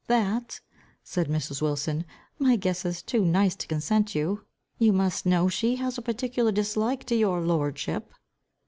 "That," said Mrs. Wilson, "my guess is too nice to consent to. You must know, she has a particular dislike to your lordship."